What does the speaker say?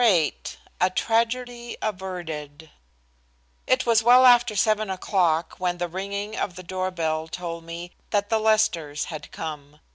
VIII A TRAGEDY AVERTED It was well after 7 o'clock when the ringing of the door bell told me that the Lesters had come.